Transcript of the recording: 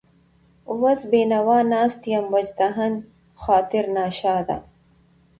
وس بېنوا ناست يم وچ دهن، خاطر ناشاده